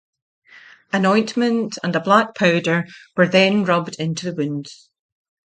An ointment and a black powder were then rubbed into the wounds.